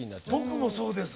僕もそうです。